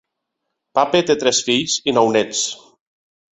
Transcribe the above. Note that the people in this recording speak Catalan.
Pape té tres fills i nou néts.